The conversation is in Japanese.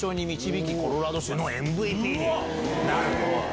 なるほど！